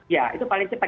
ya itu paling cepat